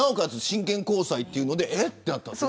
真剣交際というのでえっとなった。